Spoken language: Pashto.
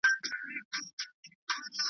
چي ککړي به یې سر کړلې په غرو کي .